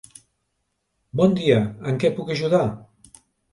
Bon dia, en què puc ajudar?